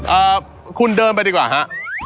อ่าคุณเดินไปดีกว่าฮะ